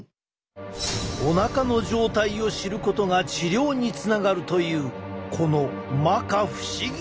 おなかの状態を知ることが治療につながるというこのまか不思議な腹痛。